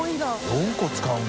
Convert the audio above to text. ４個使うんだ。